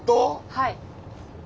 はい。